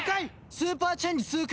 スーパーチェンジ痛快！